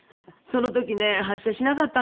その時ね発射しなかったんです。